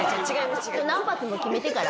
何発もキメてから。